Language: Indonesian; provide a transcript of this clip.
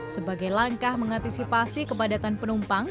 sebagai langkah mengantisipasi kepadatan penumpang